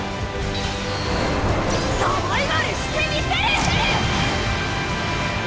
サバイバルしてみせる！